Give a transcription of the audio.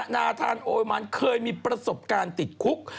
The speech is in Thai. นาธานโอยมันเคยมีประสบการณ์ติดคุก